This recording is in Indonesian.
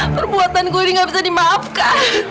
perbuatan gue ini gak bisa dimaafkan